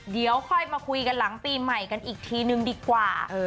เดี๋ยวค่อยมาคุยกันหลังปีใหม่กันอีกทีนึงดีกว่า